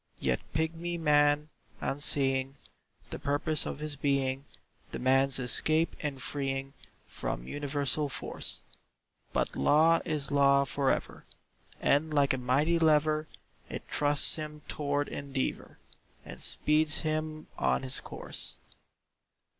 Yet pigmy man, unseeing The purpose of his being, Demands escape and freeing From universal force. But law is law for ever, And like a mighty lever It thrusts him tow'rd endeavour, And speeds him on his course.